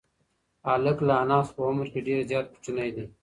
هلک له انا څخه په عمر کې ډېر زیات کوچنی دی.